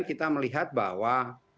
kita melihat bahwa